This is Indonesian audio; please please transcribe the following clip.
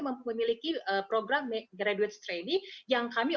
memiliki program graduate training yang kami